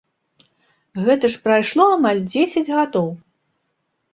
Гэта ж прайшло амаль дзесяць гадоў.